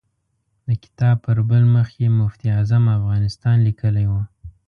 د کتاب پر بل مخ یې مفتي اعظم افغانستان لیکلی و.